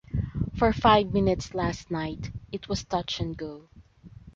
For five minutes last night it was touch and go.